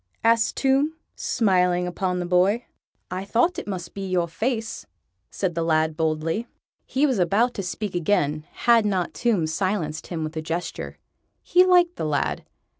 asked Tomb, smiling upon the boy. "I thought it must be your face," said the lad boldly. He was about to speak again, had not Tomb silenced him with a gesture. He liked the lad.